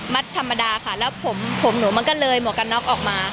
ธรรมดาค่ะแล้วผมหนูมันก็เลยหมวกกันน็อกออกมา